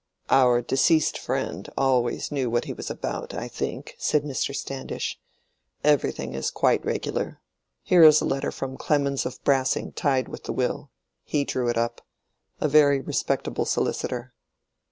"Our deceased friend always knew what he was about, I think," said Mr. Standish. "Everything is quite regular. Here is a letter from Clemmens of Brassing tied with the will. He drew it up. A very respectable solicitor."